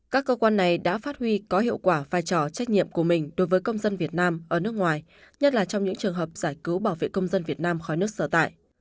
các cơ quan này đã phát huy có hiệu quả vai trò trách nhiệm của mình đối với công dân việt nam ở nước ngoài nhất là trong những trường hợp giải cứu bảo vệ công dân việt nam khỏi nước sở tại